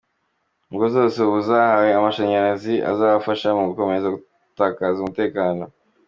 Ingo zose ubu zahawe amashanyarazi azabafasha mu gukomeza gukaza umutekano.